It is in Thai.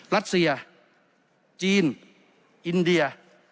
รัสเซียจีนอินเดีย